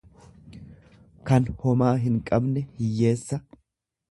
kan homaa hinqabne, hiyyeessa.